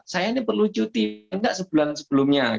saya ini perlu cuti enggak sebulan sebelumnya